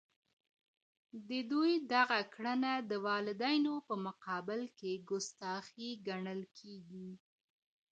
د دوی دغه کړنه د والدينو په مقابل کي ګستاخي ګڼل کيږي.